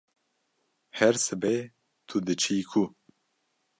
Her sibe tu diçî ku?